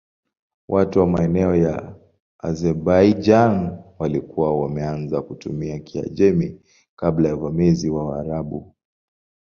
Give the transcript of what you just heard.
Watu wa maeneo ya Azerbaijan walikuwa wameanza kutumia Kiajemi kabla ya uvamizi wa Waarabu.